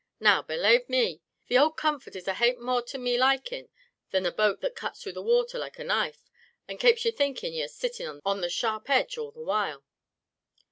Now, belave me the ould Comfort is a hape more to me likin' than a boat that cuts through the wather loike a knife; and kapes ye thinkin' ye are sittin' on the sharp edge all the while."